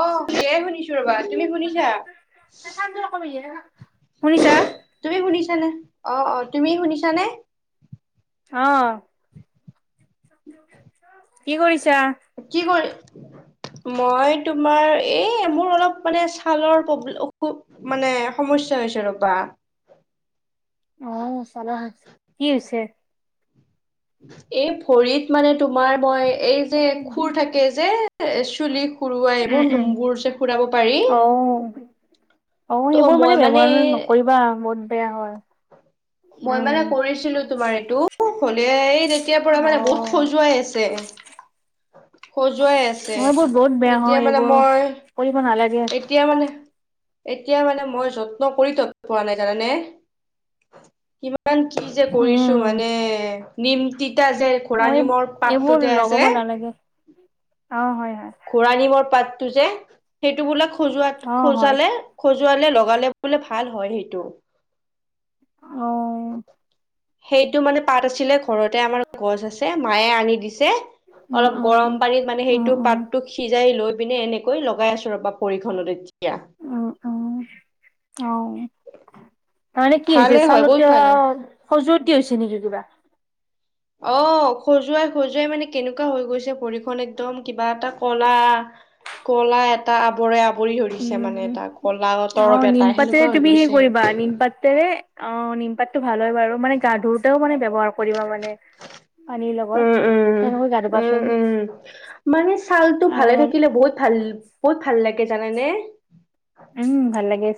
অ তেই শুনিছো ৰবা, তুমি শুনিছা? ্ [unintelligible] শুনিছা? তুমি শুনিছানে? অ অ তুমি শুনিছানে? অ। কি কৰিছা? কি কৰি মই তোমাৰ এই মোৰ অলপ মানে ছালৰ প্ৰব অসু মানে সমস্যা হৈছে ৰ'বা। অঁহ [inaudible] কি হৈছে? এই ভৰিত মানে তোমাৰ মই এই যে খুৰ থাকে যে চুলি সৰুৱাই উম, এইবোৰ উম। নোমবোৰ যে সুৰাব পাৰি। অ' অ ত' সেইবোৰ মই মানে ব্যৱহাৰ নকৰিবা বহুত বেয়া হয়। মই মানে অ' কৰিছিলো তোমাৰ এইটো। হলে এই তেতিয়া পৰা মানে বহুত অ' খজুৱাই আছে। খজুৱাই আছে, এইবোৰ বহুত বেয়া এতিয়া হয় মানে এইবোৰ মই কৰিব নালাগে। উম, এ তিয়া মানে এতিয়া মানে মই যত্ন কৰি তত পোৱা নাই জানানে? কিমান কি যে কৰিছো মানে নিম তিতা যে ঘোৰা অ এই নিমৰ পাতটো এইবোৰ যে আছে লগাব নালাগে অ হয় হয়। ঘোঁৰা নিমৰ পাতটো যে, সেইটো বোলে খজোৱাত অ' হয়। খজালে খজুৱালে লগালে বোলে ভাল হয় সেইটো। অ। সেইটো মানে পাত আছিলে ঘৰতে আমাৰ গছ আছে মায়ে আনি দিছে, উম, অলপ উম। গৰম পানীত মানে উম, সেইটো উম, পাতটো সিজাই লৈ পিনে এনেকৈ লগাই আছো ৰবা পৰিখনত এতিয়া। উম উম হয়। তাৰমানে কি হৈছে ভালে হয় চালত বহুত ভাল কিবা হয় খজুৱতি হৈছে নেকি কিবা? অ খজুৱাই - খজুৱাই মানে কেনেকুৱা হৈ গৈছে ভৰিখন একদম কিবা এটা কলা কলা এটা আৱৰে আৱৰি ধৰিছে মানে উম। এটা কলা তৰৱ এটা সেনেকুৱা হৈ গৈছে। আ নিম পাত তেৰে অ নিমপাতটো ভাল হয় বাৰু মানে গা ধুওতেও মানে ব্যৱহাৰ কৰিবা মানে পানীৰ উম লগত, উম তেনেকৈ গা উম ধোবাচোন। [unintelligible] মানে ছালটো ভালে থাকিল তে বহুত ভাল বহুত ভাল লাগে জানানে? উম ভাল লাগে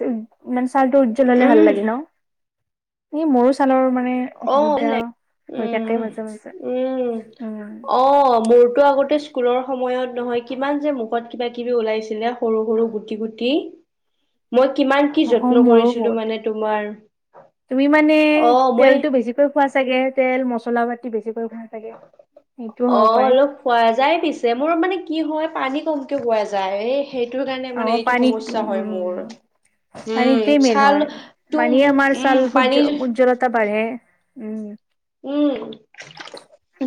মানে চালটো উজ্জ্বল হলে ভাল উম লাগে ন? এ মোৰো ছালৰ মানে অ ভাল অসুবিধা লাগে। হয় থাকে উম মাজা - মাজা উম উম। অ, মোৰতো আগতে স্কুলৰ সময়ত নহয় কিমান যে মুখত কিবা কিবি ওলাইছিলে সৰু - সৰু গুটি - গুটি। মই কিমান কি অ যত্ন মোৰো কৰিছিলো বহুত মানে তোমাৰ, অ মই তো খোৱা চাগে তেল, মছলা পাতি বেছিকৈ ভাল অ অলপ খোৱা যায় পিছে মোৰ মানে কি হয় পানী কমকে বোৱা যায় এই সেইটোৰ কাৰণে মানে এইটো সমস্যা হয় মোৰ। পানী উম, টোৱে মেইন হয়, ছালটো পানীয়ে আমাৰ উম, ছাল পানী সৰ উজ্জ্বলতা বাঢ়ে। উম, উম,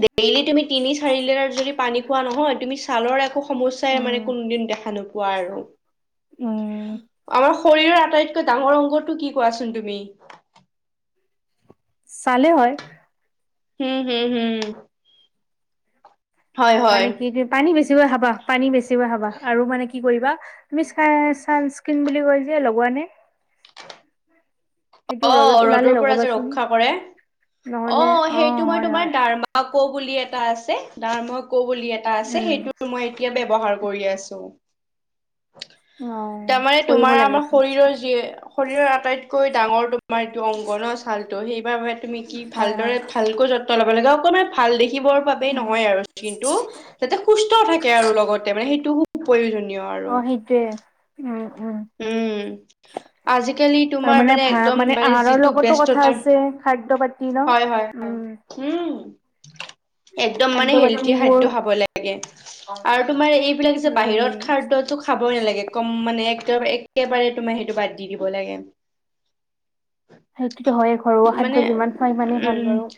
ডেইলি তুমি তিনি চাৰি লিটাৰ যদি পানী খোৱা নহয় তুমি ছালৰ একো সমস্যাই উম মানে কোনো দিন দেখা নোপোৱা আৰু। উম আমাৰ শৰীৰৰ আটাইতকৈ ডাঙৰ অংগটো কি কোৱাচোন তুমি? চালে হয়। হুম-হুম-হুম। হয়। মানে কি-কি পানী বেছিকৈ খাবা-পানী বেছিকৈ খাবা আৰু মানে কি কৰিবা তুমি চানস্কিন বুলি কৈ যে লগোৱা নে? সেইটো অ', ৰদত ৰ'দৰ ওলালে পৰা যে লগবাচোন ৰক্ষা কৰে। নহলে অ, হয়-হয়। আক বুলি এটা আছে দাম হক ক বুলি এটা আছে উম সেইটো মই এতিয়া ব্যৱহাৰ কৰি আছো। অ তাৰমানে কৰিব তোমাৰ লাগে আমাৰ শৰীৰৰ যিয়ে শৰীৰৰ আটাইতকৈ ডাঙৰ তোমাৰ এইটো অংগনৰ ছালটো সেইবাবে তুমি কি হয় হয় ভালদৰে ভালকৈ যত ল'ব লাগে অকণমান ভাল দেখিবৰ বাবেই উম নহয় আৰু কিন্তু যাতে সুস্থ থাকে আৰু লগতে মানে সেইটো প্ৰয়োজনীয় আৰু। অ সেইটোৱে উম-উম। উম, আজিকালি আৰু তোমাৰ মানে ভা একদম মানে আহাৰৰ যিটো লগতো কথা বেস্ততা আছে খাদ্য পাতি ন উম হয়-হয়-হয়। উম, একদম খাদ্য মানে হেলথি পাতিবোৰ খাদ্য খাব লাগে। আৰু তোমাৰ এইবিলাক যে উম বাহিৰত খাদ্য খাব নালাগে কম মানে একদ একেবাৰে তোমাৰ সেইটো বাদ দি দিব লাগে। সেইটো হয়েই ঘৰৱ মানে খাদ্য যিমান খোৱা সিমানেই ভাল উম বাৰু।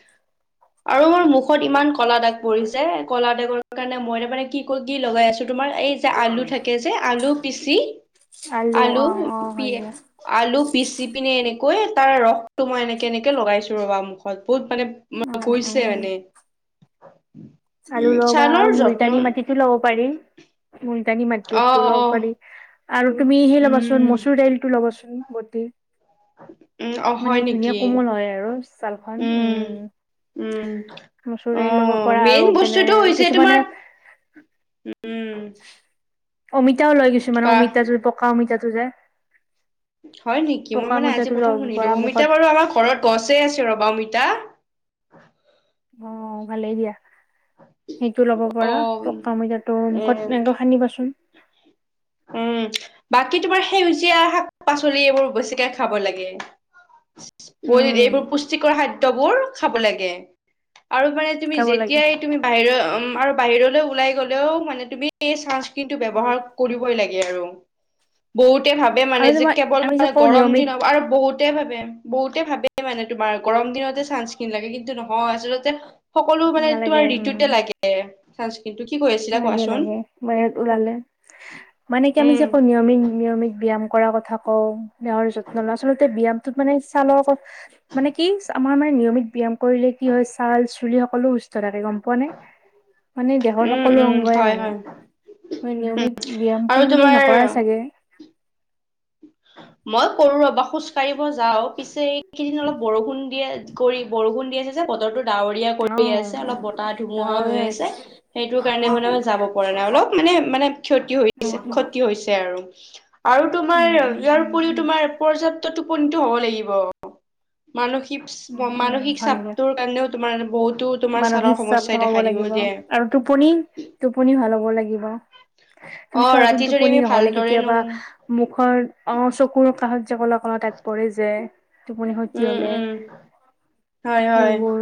আৰু মোৰ মুখত ইমান কলা দাগ পৰিছে কলা দাগৰ কাৰণে মই তাৰ মানে কি ক কি লগাই আছো তোমাৰ এই আলু থাকে যে আলু পিচি আলু অ অ হয় পিয়ে যে আলু পিচি পিনে এনেকৈ তাৰ ৰসটো মই এনেকে এনেকে লগাইছো ৰবা মুখত বহুত মানে মাই উম কৈছে উম মানে। আলু উম লব পাৰ ছালৰ আৰু যত্ন মুলতানী মাটিতো ল'ব পাৰি-মুলতানী অ মাটিতো লব অ পাৰি। আৰু তুমি সেই ল'বাচোন উম মচুৰ দাইলটো ল'বাচোন বতি। উম অ হয় মানে নেকি ধুনীয়া কোমল হয় আৰু ছালখন উম, উম মচৰ অ দাইল লব পৰা মেইন আৰু পাননে বস্তুটো হৈছে তোমাৰ কিছুমানে উম, অমিতাও লৈ গৈছো মানে কোৱা অমিতাটো পকা অমিতাটো যে হয় নেকি মই পকা মানে আজি অমিতাটো ল'ব প্ৰথম শুনিলো পৰা মুখত অমিতা বাৰু আমাৰ ঘৰত গছে আছে ৰবা অমিতা। অ, ভালেই দিয়া। সেইটো ল'ব অ পৰা পকা অমিতাটো মুখত উম এনেকৈ সানিবাচোন। উম, বাকী তোমাৰ সেউজীয়া শাক পাচলি এইবোৰ বেছিকে খাব লাগে। [inaudible] উম এইবোৰ পুষ্টিকৰ খাদ্যবোৰ খাব লাগে আৰু মানে তুমি খাব লাগে যেতিয়াই তুমি বাহিৰ উম, আৰু বাহিৰলৈ ওলাই গলেও মানে তুমি এই চানস্ক্ৰীণটো ব্যৱহাৰ কৰিবই লাগে আৰু বহুতে ভাবে আৰু মানে যে তোমাৰ কেৱল আমি যে মানে কওঁ গৰম দিন নিয়মিত আৰু বহুত বহুতে ভাবে বহুতে ভাবে মানে তোমাৰ গৰম দিনতে চান্স ক্ৰীম লাগে কিন্তু নহয় আচলতে সকলো মানে তোমাৰ নালাগে ঋতুতে উম লাগে ছানস্ক্ৰীটো। কি কৈ আছিলা কোৱাচোন? ম ওলালে মানে কি আমি যে উম কও নিয়মিত ন-য়মিত ব্যায়াম কৰাৰ কথা কও নহৰ যত্ন লোৱা আচলতে ব্যায়ামটোত মানে ছালৰ মানে কি চা আমাৰ মানে নিয়মিত ব্যায়াম কৰিলে কি হয় ছাল চুলি সকলো সুস্থ থাকে গম পোৱানে মানে দেহৰ সক উম কলো উম অংগই হয় মানে হয় নিয়মিত ব্যায়ামটো আৰু মানে তুমি তোমাৰ নকৰা চাগে। মই কৰো ৰবা খোজ কাঢ়িব যাও পিছে এইকেইদিন অলপ বৰষুণ দিয়া কৰি বৰষুণ দি আছে যে বতৰটো ডাৱৰ ৰীয়া অ কৰি আছে অলপ বতাহ ধুমুহা গাঁৱৰে হৈ হয় আছে সেইটো কাৰণে মানে মই যাব পৰা নাই অলপ মানে মানে ক্ষতি উম হৈছে খতি হৈছে আৰু। আৰু তোমাৰ উম উম ইয়াৰ উম উপৰিও উম। তোমাৰ পৰ্যাপ্ত টোপনিটো হ'ব লাগিব। উম উম মানসিকপচ-মানসিক হয়গে চাপটোৰ কাৰণেও তোমাৰ বহুত মানসিক চাপ কমাব লাগিব আৰু টোপুনি- টোপনি ভাল হ'ব লাগিব। তুমি অ ৰাতি চোৱাচোন যদি টোপনি আমি নহ'লে ভালদৰে কেতিয়াবা নুশু মুখৰ অ, চকুৰ কাষত যে কলা- কলা দাগ পৰে যে টোপনি খতি উম হলে উম হয় হয় এইবোৰ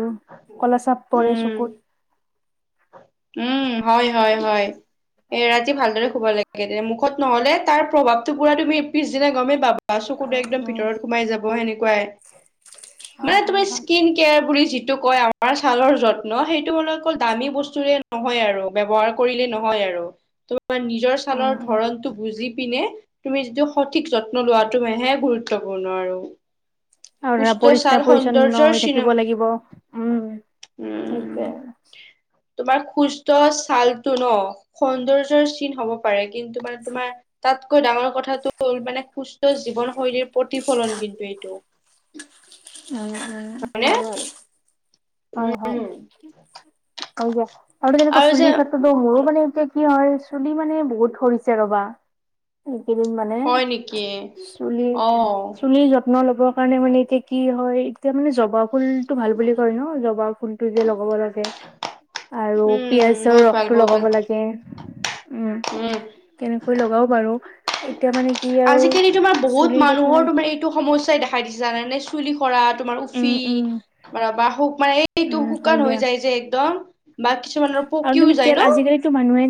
কলা চাপ পৰে উম চকুত। উম, হয় -হয়-হয় এ ৰাতি ভালদৰে শুব লাগ [unintelligible] মুখত নহ'লে তাৰ প্ৰভাৱটো পুৰা তুমি পিছদিনা গমেই পাব বা চকুতো উম একদম উম ভিতৰত সোমাই যাব সেনেকুৱাই। হয় মানে তুমি হয় হয় স্কিন কেয়াৰ বুলি যি টো কয় আমাৰ ছালৰ যত্ন সেইটো মানে অকল দামী বস্তুৰে নহয় আৰু ব্যৱহাৰ কৰিলে নহয় আৰু ত' বা নিজৰ উম ছালৰ উম ধৰণটো বুজি পিনে তুমি যিটো সঠিক যত্ন লোৱাটো মেহে গুৰুত্বপূৰ্ণ আৰু। আৰু ধৰা সুস্থ ছাল পৰিষ্কাৰ পৰিচ্ছন্ন সৌন্দৰ্যৰ হৈ চিন থাকিব উম লাগিব উম, সেইটোয়ে তোমাৰ সুস্থ ছালটো ন' সৌন্দৰ্যৰ চিন হব পাৰে কিন্তু মানে তোমাৰ তাতকৈ ডাঙৰ কথাটো হ'ল মানে সুস্থ জীৱনশৈলীৰ প্ৰতিফলন কিন্তু এইটো। হয়নে [unintelligible] হয়- হয় আৰু হয় দিয়ক আৰু যেনেকুৱা চুলিৰ ক্ষেত্ৰত নহৰু মানে এতিয়া কি হয় চুলি মানে বহুত সৰিছে ৰবা। এইকেইদিন মানে হয় নেকি চুলি অ চুলিৰ যত্ন লব কাৰণে মানে এতিয়া কি হয় এতিয়া মানে জবা ফুল টো ভাল বুলি কয় ন' জবা ফুল টো যে লগাব লাগে আৰু উম পিয়াজৰ বহুত ভাল ৰসটো বহুত লগাব ভাল লাগে। উম, তেনেকৈ লগাও বাৰু এতিয়া মানে কি আৰু আজিকালি তোমাৰ বহুত চুলিৰ যত্ন মানুহৰ তোমাৰ এইটো সমস্যাই দেখাই দিছে জানা নে চুলি সৰা তোমাৰ উম উফি উম ব্ৰা বা শুক মানে এইটো উম শুকান হয় হৈ দিয়া যায় যে একদম বা কিছুমানৰ পকিও যায় ন'? তো মানুহে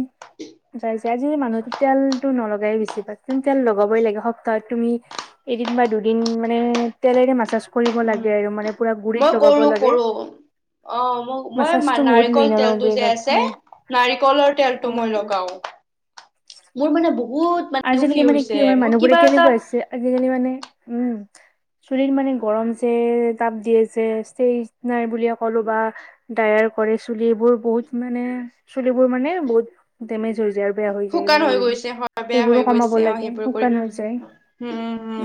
যাই যে আজিকালি মানুহতো তেলতো নলগাই বেছি পায় কিন্তু তেল লগাবই লাগে সপ্তাহত তুমি এদিন বা দুদিন মানে তেলেৰে মাচাছ কৰিব উম লাগে আৰু মানে পুৰা গুৰিত মই লগাব কৰো লাগে। কৰো অ, মোক মই মাছাজটো বহুত মেইন নাৰিকল আৰু তেলটো - যে ব্ৰেইনত আছে হয়। নাৰিকলৰ তেলটো মই উম, লগাওঁ মোৰ মানে বহুত উফি আজিকালি মানে হৈছে কি হয় মোৰ কিবা মানুহবোৰে এটা কেনেকুৱা হৈছে আজিকালি মানে উম, চুলিৰ মানে গৰম যে তাপ দিয়ে যে ষ্টেজ নাৰ বুলিয়ে ক'লো বা ডায়াৰ কৰে চুলি এইবোৰ বহুত মানে চুলিবোৰ মানে বহুত ডেমেজ হৈ যায় আৰু বেয়া হৈ যায় এইবোৰ কৰি। অ, বেয়া হৈ গৈছে অ, সেইবোৰ কৰি। যায়।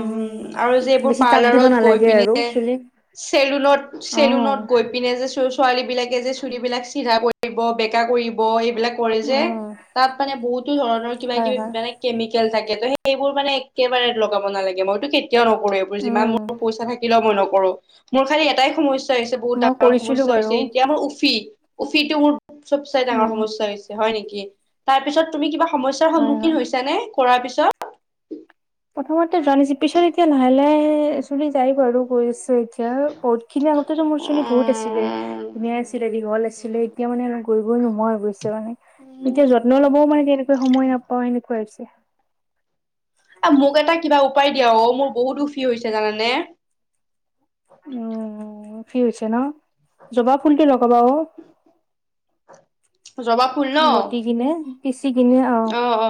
উম আৰু যে এইবোৰ বেছি তাপ দিব পাৰ্লাৰত গৈ নালাগে আৰু পিনে চুলিক চেলুনত- অ চেলুনত গৈ পিনে যে চু ছোৱালী বিলাকে যে চুলি বিলাক চিধা কৰিব, বেকা কৰিব এইবিলাক কৰে যে উম তাত মানে বহুতো ধৰণৰ কিবা- হয় কিবি হয় বেলেগ কেমিকেল থাকে ত' সেইবোৰ মানে একেবাৰে লগাব নালাগে মইতো কে কেতিয়াও নকৰো এইবোৰ যিমান উম মোৰ পইচা থাকিলেও মই নকৰো মোৰ খালি এটাই সমস স্যা হৈছে বহুত মই ডাঙৰ কৰিছিলো সমস্যা হৈছে বাৰু এতিয়া মোৰ উফি-উফিটো মোৰ চবচাই ডাঙৰ উম সমস্যা হৈছে হয় নেকি? তাৰ পিছত তুমি কিবা সমস্যাৰ হয় হয় সন্মুখীন হৈছে নে? কৰাৰ পিছত প্ৰথমতে জানিছ পিছত এতিয়া লাহে লাহে যাই বাৰু গৈ আছো এতিয়া বহুত খিনি আগতেতো মোৰ শ্ৰেণী বহুত আছিলে। ধুনীয়া আছিলে দীঘল আছিলে এতিয়া মানে কৰিবই নোৱাৰো গৈছে মানে এতিয়া যত্ন লবও মানে তেনেকৈ উম, সময় নাপাও এনেকুৱা হৈছে। মোক এটা কিবা উপায় দিয়া অ' মোৰ বহুত সুখী হৈছে জানানে? উম উফি হৈছে ন জবা ফুলটো লগাবা অ'। জবা ফুল ন বতি কিনে পিচি কিনে অহ। অ অ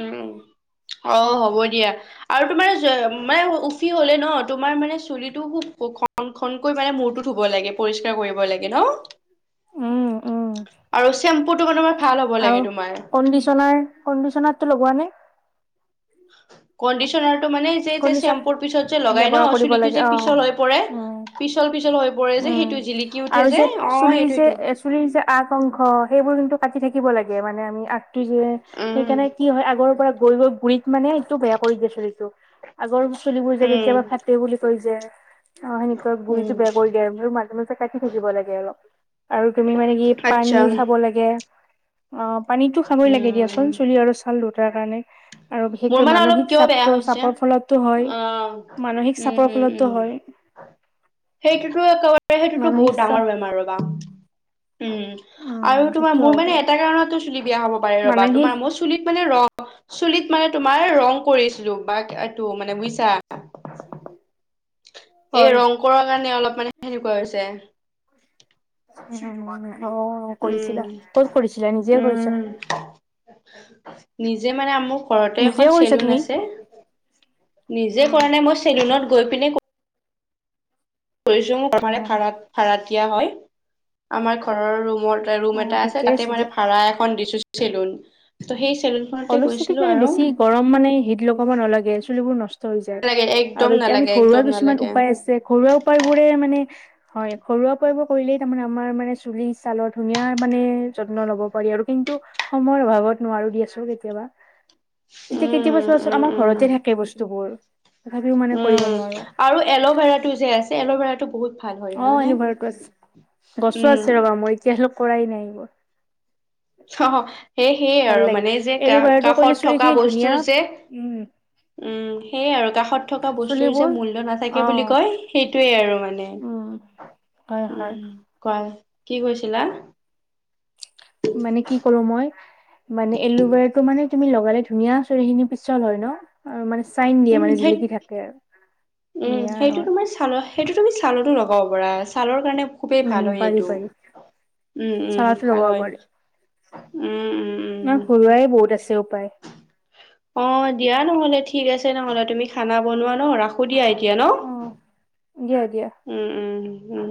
উম অ' হ'ব দিয়া। আৰু তোমাৰ মানে উফি হ'লে ন তোমাৰ মানে চুলিটো খুব ঘ মানে ঘনকৈ মানে মূৰটো ধুব লাগে পৰিষ্কাৰ কৰিব লাগে ন'। উম, আৰু চেম্পুটো মানে তোমাৰ ভাল উম হ'ব লাগে আৰু তোমাৰ কণ্ডিচনাৰ কণ্ডিচনাৰতটো লগোৱা নে? কণ্ডিচনাৰ কণ্ডিচন চেম্পু পিছত যে লগাই ব্যৱহাৰ ন কৰিব চুলিটো লাগে যে অ পিছল হৈ পৰে। উম পিছল, পিছল হৈ পৰে উম যে জিলিকি আৰু উঠে যে অ' চুলিৰ সেইটো যে সেইটো। চুলিৰ যে আগ অংশ সেইবোৰ কিন্তু কাটি থাকিব লাগে মানে আমি আ যে উম সেইকাৰণে কি হয় আগৰ পৰা গৈ গৈ গুৰিত মানে এইটো বেয়া কৰি দিয়ে চুলিটো। আগৰ চুলিবোৰ যে উম কেতিয়াবা ফাটে বুলি কৈ যে অ' সেনেকুৱা গুৰিটো উম বেয়া কৰি দিয়ে ম কাটি থাকিব লাগে অলপ আৰু তুমি মানে কি পানী আচ্ছা খাব লাগে। অ' পানীতো খাবই লাগে দিয়াচোন উম চুলি আৰু চাল দুইতাৰ কাৰণে। আৰু মোৰ বিশেষকৈ মানে অলপ মানসিক কিয় চাপ, বেয়া হৈছে চাপৰ ফলতো হয় অ মানসিক উম চাপৰ উম উম ফলতো হয়। সেইটোতো একেবাৰে সেইটোতো মানসিক বহুত চাপ ডাঙৰ বেমাৰ ৰবা। উম আৰু উম তোমাৰ সেইটো মোৰ হয় মানে বাৰু এটা কাৰণতো চুলি বেয়া হ'ব পাৰে ৰ'বা মানসিক তোমাৰ ম চুলিত মানে ৰং, চুলিত মানে তোমাৰ ৰং কৰিছিলো বাঘ এইটো মানে বুজিছা। [inaudible] এই হয় ৰং কৰাৰ কাৰণে অলপ মানে সেনেকুৱা হৈছে। উ অ' উম কৰিছিলা, ক'ত কৰিছিলা, নিজে কৰিছা। উম নিজে মানে আমু ঘৰতে নিজে এখন কৰিছা চেলোন তুমি আছে। নিজে কৰা নাই মই চেলোনত গৈ পিনে কৰিছো অ ভাড়াত দিয়া হয়। আমাৰ ঘৰৰ ৰুমৰ অ ৰুম এটা আছে ঠিকে তাতে মানে দিয়া ভাড়া এখন দিছো চেলুন। ত' সেই চেলুন হ'লেও চুলিত মানে বেছি গৰম মানে হিট লগাব নালাগে চুলিবোৰ নষ্ট হৈ যায় নালাগে একদম আৰু এতিয়া আমি নালাগে ঘৰুৱা একদম কিছুমান নালাগে উপায় আছে ঘৰুৱা উপায়বোৰে মানে হয়, ঘৰুৱাকে এইবোৰ কৰিলেই তাৰমানে আমাৰ মানে চুলি, চালৰ ধুনীয়া মানে যত্ন ল'ব পাৰি আৰু কিন্তু। সময়ৰ অভাৱত নোৱাৰো দিয়াচোন। কেতিয়াবা এতিয়া, কেতিয়াবা উম উম চোৱাচোন আমাৰ উম ঘৰতে থাকে বস্তুবোৰ। তথাপিও মানে কৰিব উম নোৱাৰো আৰু এল'ভেৰাটো যে আছে এল'ভেৰাতটো বহুত ভাল। হয় অ' জানানে এলুভেৰাটো আছে। গছো উম আছে ৰবা মই এতিয়া হ'লেও কৰাই নাই এইবোৰ। অ' সেয় সেয়ে ভাল আৰু লাগে মানে যে কা এল'ভেৰাটো কৰিলে কাষত চুলি থকা খিনি ধুনীয়া বস্তুৰ যে উম, সেয়ে আৰু কাষত থকা বস্তুৰ যে চুলিবোৰ মূল্য অ নাথাকে বুলি কয়। সেইটোৱে আৰু মানে উম হয় হয় উম কোৱা কি কৈছিলা? মানে কি কলো মই মানে এলোভেৰাটো মানে তুমি লগালে ধুনীয়া চুলি খিনি পিছল হয় ন। আৰু মানে চাইন দিয়ে উম মানে ধেত জিলিকি থাকে আৰু উম, ধুনীয়া সেইটো আৰু তোমাৰ ছালৰ সেইটো তুমি ছালতো লগাব পাৰা ছালৰ কাৰণে। খুবেই উম ভাল হয় পাৰি এইটো। পাৰি উম, উম চালাটো ভাল লগাব হয় উম, উম। অ' উম। ঘৰুৱাই বহুত আছে উপায়। অ' দিয়া নহ'লে ঠিক আছে নহ'লে তুমি খানা বনোৱা ন ৰাখো দিয়া এতিয়া ন। দিয়া-দিয়া। উম। উম, উম।